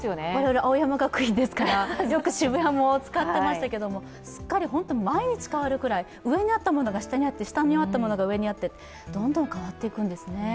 青山学院ですからよく渋谷も使っていましたがすっかり本当に毎日変わるくらい、上にあったものが下にあって、下にあったものが上にあって、どんどん変わっていくんですね。